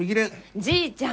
じいちゃん！